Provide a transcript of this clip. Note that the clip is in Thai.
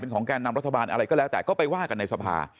ก็ละแต่ไปว่ากันในสภา